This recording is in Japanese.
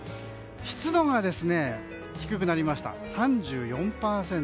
湿度が低くなりました。